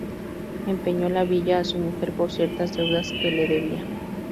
Empeñó la villa a su mujer por ciertas deudas que le debía.